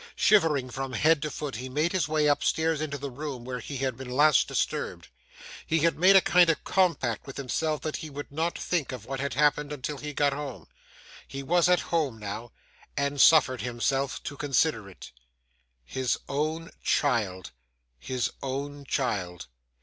Shivering from head to foot, he made his way upstairs into the room where he had been last disturbed. He had made a kind of compact with himself that he would not think of what had happened until he got home. He was at home now, and suffered himself to consider it. His own child, his own child!